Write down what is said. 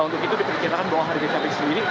untuk itu diperkirakan bahwa harga cabai sendiri